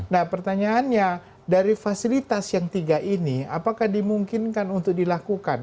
nah pertanyaannya dari fasilitas yang tiga ini apakah dimungkinkan untuk dilakukan